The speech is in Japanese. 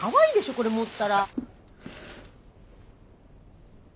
これ持ったら。